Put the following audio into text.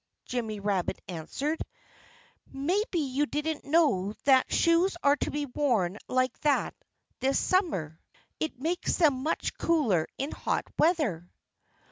Jimmy Rabbit answered. "Maybe you didn't know that shoes are to be worn like that this summer. It makes them much cooler in hot weather."